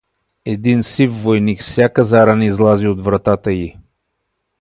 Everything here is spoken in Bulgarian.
Един сив войник всяка заран излази от вратата й.